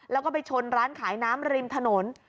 แล้วก็ไปชนร้านขายน้ำริมถนน